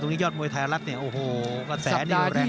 ตรงนี้ยอดมวยไทยรัฐเนี่ยโอ้โหกระแสเนี่ยแรงมาก